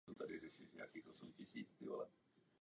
Uvidíme, zda bude tento systém fungovat ke spokojenosti všech.